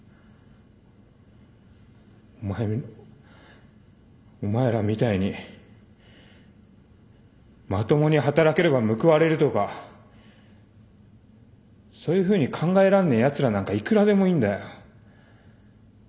お前お前らみたいにまともに働ければ報われるとかそういうふうに考えらんねえやつらなんかいくらでもいんだよ。